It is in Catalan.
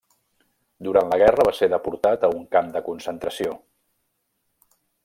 Durant la guerra va ser deportat a un cap de concentració.